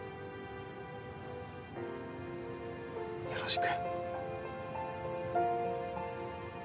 よろしく。